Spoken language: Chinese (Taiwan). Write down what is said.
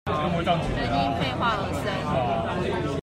人因廢話而生